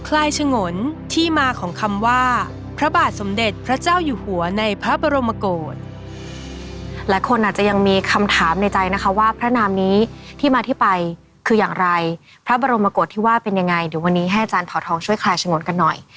และคนอาจจะยังมีคำถามในใจนะคะว่าพระนามนี้ที่มาที่ไปคืออย่างไรพระบรมกฏที่ว่าเป็นยังไงเดี๋ยววันนี้ให้อาจารย์เผาทองช่วยคลายชงนกันหน่อย